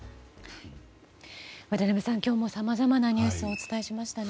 渡辺さん、今日もさまざまなニュースをお伝えしましたね。